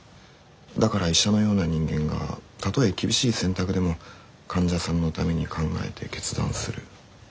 だから医者のような人間がたとえ厳しい選択でも患者さんのために考えて決断する。